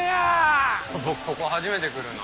僕ここ初めて来るな。